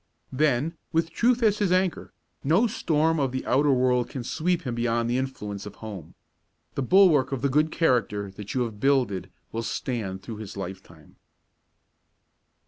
Then, with truth as his anchor, no storm of the outer world can sweep him beyond the influence of home. The bulwark of the good character that you have builded will stand throughout his lifetime.